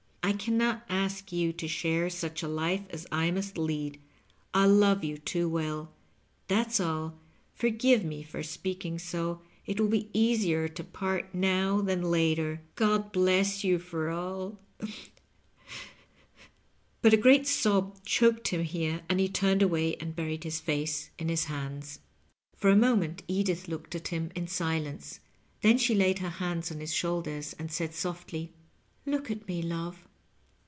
I can not ask you to share such a life as I must lead — I love you too well. Thaf s all — ^forgive me for speaking so — it will be easier to part now than later — God bless you for all —^" but a great sob choked him here, and he turned away and buried his face in his.hands. Digitized by VjOOQIC LOVE AND LIOHTNING. 219 For a moment Edith looked at him in silence. Then she laid her hands on his shoulders and said softly, ^^Look at me, love."